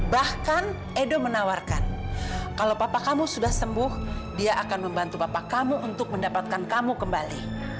bahkan edo menawarkan kalau papa kamu sudah sembuh dia akan membantu bapak kamu untuk mendapatkan kamu kembali